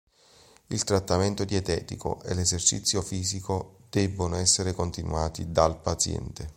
Il trattamento dietetico e l'esercizio fisico debbono essere continuati dal paziente.